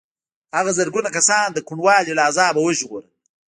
هغه زرګونه کسان د کوڼوالي له عذابه وژغورل.